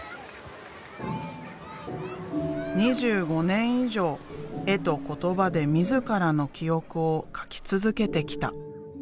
２５年以上絵と言葉で自らの記憶を描き続けてきた。